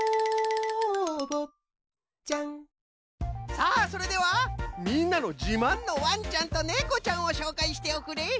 さあそれではみんなのじまんのわんちゃんとねこちゃんをしょうかいしておくれ！